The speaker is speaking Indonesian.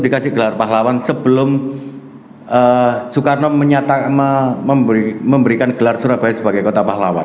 dikasih gelar pahlawan sebelum soekarno memberikan gelar surabaya sebagai kota pahlawan